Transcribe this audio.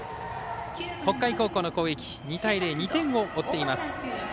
北海高校の攻撃、２対０２点を追っています。